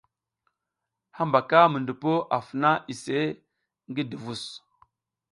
Hambaka mi ndupa a funa iseʼe ngi duvus.